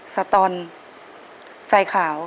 สตอนสายขาว